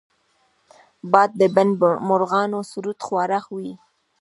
باد د بڼ مرغانو سرود خواره وي